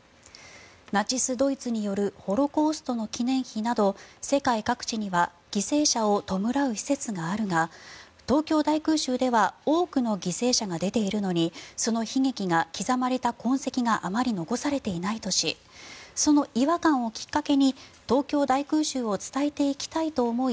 ナチス・ドイツによるホロコーストの記念碑など世界各地には犠牲者を弔う施設があるが東京大空襲では多くの犠牲者が出ているのにその悲劇が刻まれた痕跡があまり残されていないとしその違和感をきっかけに東京大空襲を伝えていきたいと思い